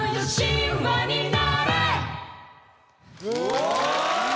お！